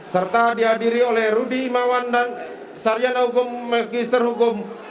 serta dihadiri oleh rudy imawan dan sarjana hukum magister hukum